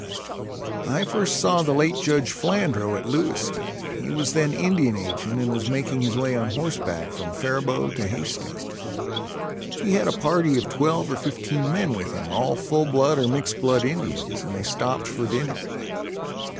I first saw the late Judge Flandrau at Lewiston, he was then Indian agent and was making his way on horseback from Faribault to Hastings. He had a party of twelve or fifteen men with him, all full blood or mixed blood Indians, and they stopped for dinner.